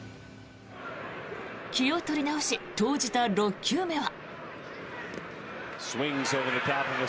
気を取り直し投じた６球目は。